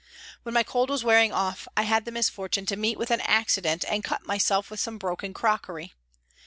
When my cold was wearing off I had the misfortune to meet with an accident and cut myself with some broken crockery.